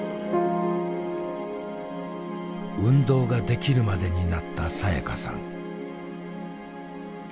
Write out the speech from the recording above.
運動ができるまでになったさやかさん。